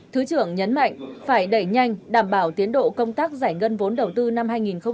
thứ trưởng nhấn mạnh phải đẩy nhanh đảm bảo tiến độ công tác giải ngân vốn đầu tư năm hai nghìn hai mươi